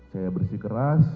saya bersih keras